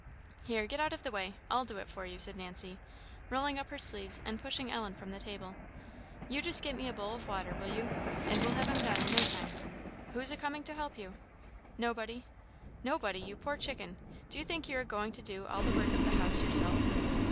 "Here, get out of the way, I'll do it for you," said Nancy, rolling up her sleeves, and pushing Ellen from the table; "you just get me a bowl of water, will you? and we'll have 'em done in no time. Who's a coming to help you?" "Nobody." "Nobody! you poor chicken; do you think you're a going to do all the work of the house yourself?"